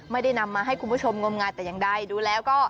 ไม่ได้นำมาให้คุณผู้ชมงมงายแต่อย่างใดดูแล้วก็